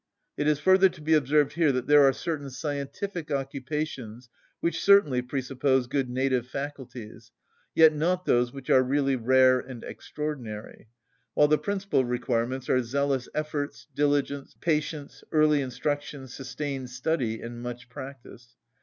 It is further to be observed here that there are certain scientific occupations which certainly presuppose good native faculties, yet not those which are really rare and extraordinary; while the principal requirements are zealous efforts, diligence, patience, early instruction, sustained study, and much practice.